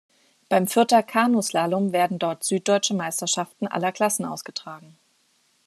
Beim Fürther Kanuslalom werden dort Süddeutsche Meisterschaften aller Klassen ausgetragen.